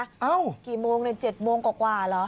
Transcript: เอ้าแต่เช้าเลยเหรอกี่โมงใน๗โมงกว่าหรอ